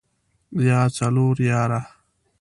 يا څلور ياره.